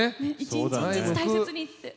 一日一日大切にって。